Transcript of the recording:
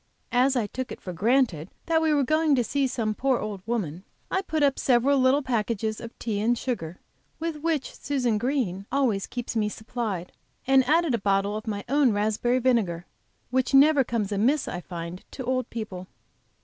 As I took it for granted that we were going to see some poor old woman, I put up several little packages of tea and sugar, with which Susan Green always keeps me supplied, and added a bottle of my own raspberry vinegar, which never comes amiss, I find, to old people.